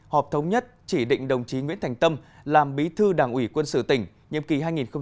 hợp thống nhất chỉ định đồng chí nguyễn thành tâm làm bí thư đảng ủy quân sự tỉnh nhiệm kỳ hai nghìn hai mươi hai nghìn hai mươi năm